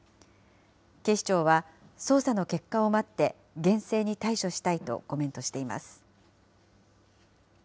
警視庁は捜査の結果を待って、厳正に対処したいとコメントしています。